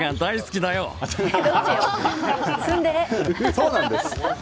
そうなんです。